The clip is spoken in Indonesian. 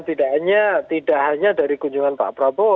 tidak hanya dari kunjungan pak prabowo